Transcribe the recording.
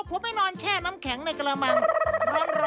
จริงสิละของอ้าว